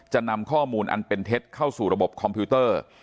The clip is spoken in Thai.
นำข้อมูลอันเป็นเท็จเข้าสู่ระบบคอมพิวเตอร์